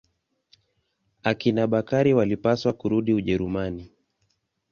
Akina Bakari walipaswa kurudi Ujerumani.